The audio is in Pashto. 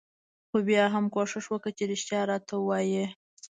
خو بيا هم کوښښ وکه چې رښتيا راته وايې.